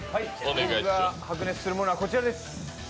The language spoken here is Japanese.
僕が白熱するものはこちらです。